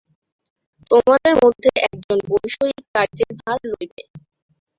তোমাদের মধ্যে একজন বৈষয়িক কার্যের ভার লইবে।